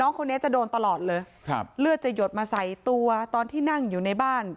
คนนี้จะโดนตลอดเลยครับเลือดจะหยดมาใส่ตัวตอนที่นั่งอยู่ในบ้าน